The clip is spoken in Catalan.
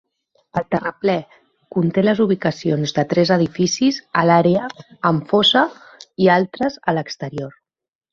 El terraplè conté les ubicacions de tres edificis a l'àrea amb fossa i altres a l'exterior.